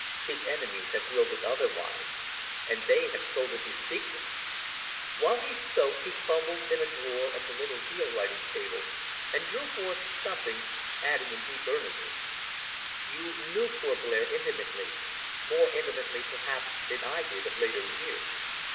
His enemies have willed it otherwise, and they have stolen his secret!" While he spoke he fumbled in a drawer of the little deal writing table, and drew forth something, adding in deep earnestness "You knew poor Blair intimately more intimately, perhaps, than I did of later years.